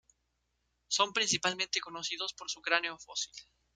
Son principalmente conocidos por su cráneo fósil.